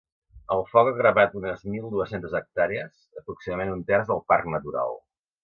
El foc ha cremat unes mil dues-centes hectàrees, aproximadament un terç del parc natural.